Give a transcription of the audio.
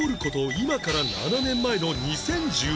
今から７年前の２０１４年